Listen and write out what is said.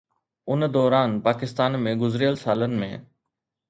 ان دوران پاڪستان ۾ گذريل سالن ۾